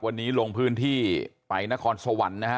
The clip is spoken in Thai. วันนี้ลงพื้นที่ไปนครสวรรค์นะฮะ